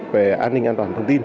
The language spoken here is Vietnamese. về an ninh an toàn thông tin